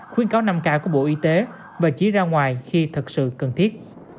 khuyến cáo năm k của bộ y tế và chỉ ra ngoài khi thật sự cần thiết